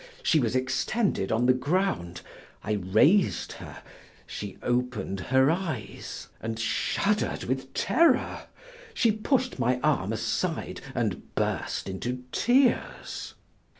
She was extended on the ground. I raised her, she opened her eyes, and shuddered with terror; she pushed my arm aside, and burst into tears.